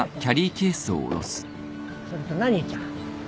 それとな兄ちゃん。